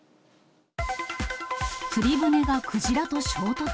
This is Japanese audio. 釣り船がクジラと衝突？